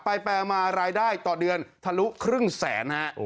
แปลมารายได้ต่อเดือนทะลุครึ่งแสนฮะ